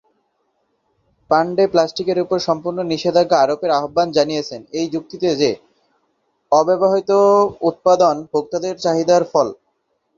পাণ্ডে প্লাস্টিকের উপর সম্পূর্ণ নিষেধাজ্ঞা আরোপের আহ্বান জানিয়েছেন, এই যুক্তিতে যে এর অব্যাহত উৎপাদন ভোক্তাদের চাহিদার ফল।